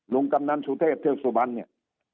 กำนันสุเทพเทือกสุบันเนี่ย